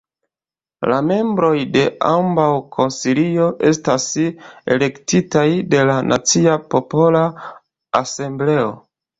La membroj de ambaŭ konsilioj estas elektitaj de la Nacia Popola Asembleo.